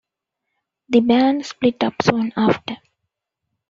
The band split up soon after.